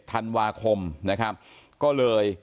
ธันวาคมนะครับก็เลย